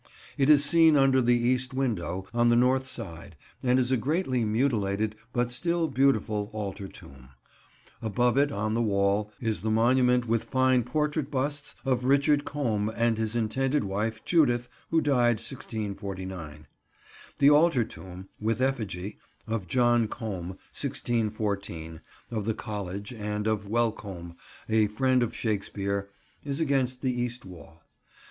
It is seen under the east window, on the north side, and is a greatly mutilated, but still beautiful, altar tomb. Above it, on the wall, is the monument with fine portrait busts of Richard Combe and his intended wife, Judith, who died 1649. The altar tomb, with effigy, of John Combe, 1614, of the College, and of Welcombe, a friend of Shakespeare, is against the east wall.